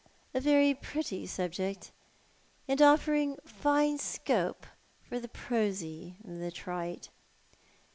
A very pretty subject, and offering fine scope for the prosy and the trite."